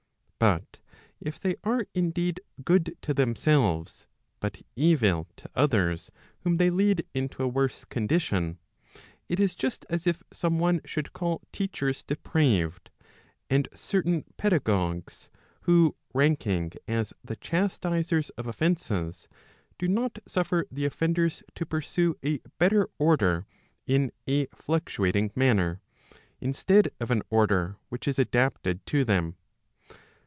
But if they are indeed good to themselves, but eVil to others whom they lead into a worse condition, it is just as if some one should call teachers depraved, and certain pedagogues, who ranking as the chastisers of offences, do not suffer the offenders to pursue a better order in a fluctuating manner, instead of an order which is adapted to them.